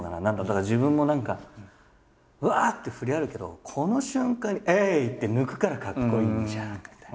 自分も何かうわって振りあるけどこの瞬間にえいって抜くからかっこいいんじゃんみたいな。